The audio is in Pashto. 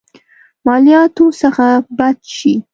مالياتو څخه بچ شي.